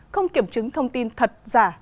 không kiểm chứng thông tin thật giả